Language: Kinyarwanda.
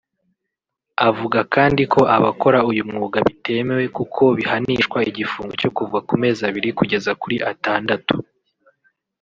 Avuga kandi ko abakora uy’umwuga bitemewe kuko bihanishwa igifungo cyo kuva ku mezi abiri kugeza kuri atandatu